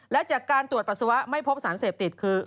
และจากการตรวจปัสสาวะไม่พบสารเสพติดคือ